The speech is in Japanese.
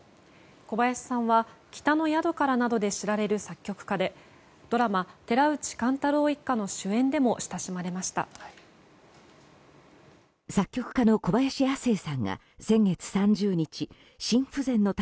小林さんは「北の宿から」などで知られる作曲家でドラマ「寺内貫太郎一家」の主演でも親しまれました。